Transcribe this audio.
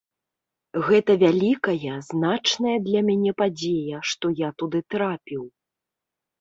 Гэта вялікая, значная для мяне падзея, што я туды трапіў.